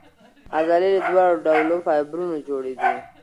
عضلې له دواړو ډولو فایبرونو جوړې دي.